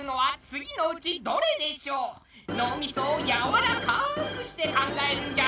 脳みそをやわらかくして考えるんじゃぞ。